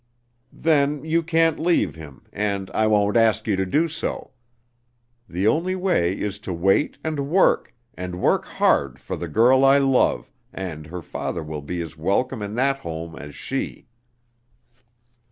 Then you can't leave him, and I won't ask you to do so. The only way is to wait and work, and work hard for the girl I love, and her father will be as welcome in that home as she."